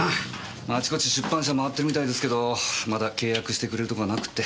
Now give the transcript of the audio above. あちこち出版社回ってるみたいですけどまだ契約してくれるとこはなくって。